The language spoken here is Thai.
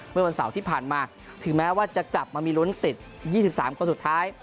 เมื่อวันเสาร์ที่ผ่านมาถึงแม้ว่าจะกลับมามีลุ้นติด๒๓คนสุดท้าย